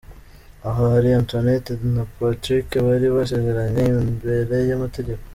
Aha hari Antoinette na Patrick bari basezeranye imbere y'amategeko.